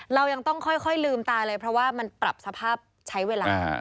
เรายังต้องค่อยลืมตาเลยเพราะว่ามันปรับสภาพใช้เวลา